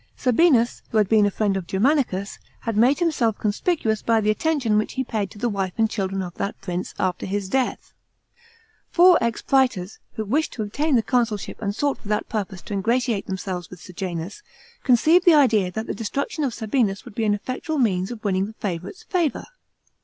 Sabinus, who had been a friend of Germanicus, had made him self conspicuous by the attention which he paid to the wife and children of that prince, after his death. Four ex prators, who wished to obtain the consulship and sought for that purpose to ingratiate themselves with Sejanus, conceived the idea that the destruction of Sabinus would be an effectual means of winning the favourite's favour.